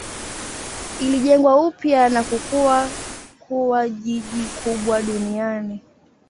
Ilijengwa upya na kukua kuwa jiji kubwa duniani.